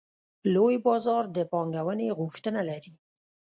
لوی بازار د پانګونې غوښتنه لري.